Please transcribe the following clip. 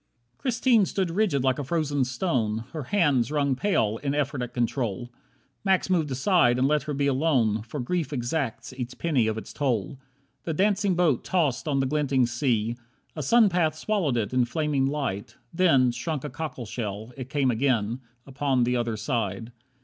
24 Christine stood rigid like a frozen stone, Her hands wrung pale in effort at control. Max moved aside and let her be alone, For grief exacts each penny of its toll. The dancing boat tossed on the glinting sea. A sun path swallowed it in flaming light, Then, shrunk a cockleshell, it came again Upon the other side.